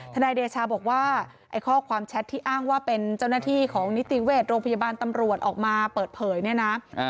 นายเดชาบอกว่าไอ้ข้อความแชทที่อ้างว่าเป็นเจ้าหน้าที่ของนิติเวชโรงพยาบาลตำรวจออกมาเปิดเผยเนี่ยนะ